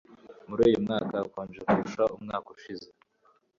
Muri uyu mwaka hakonje kurusha umwaka ushize